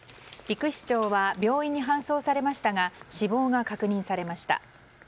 陸士長は病院に搬送されましたが死亡が確認されました。